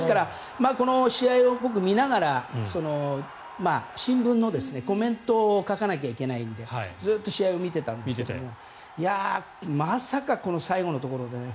この試合を僕、見ながら新聞のコメントを書かなきゃいけないのでずっと試合を見てたんですけどまさか最後のところでね。